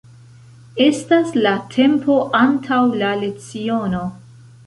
Estas la tempo antaŭ la leciono.